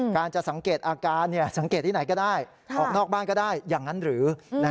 การจะสังเกตอาการสังเกตที่ไหนก็ได้ออกนอกบ้านก็ได้อย่างนั้นหรือ